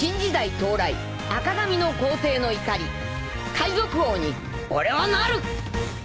海賊王に俺はなる！